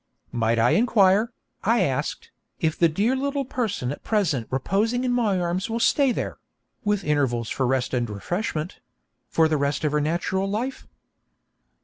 'Might I inquire,' I asked, 'if the dear little person at present reposing in my arms will stay there (with intervals for rest and refreshment) for the rest of her natural life?'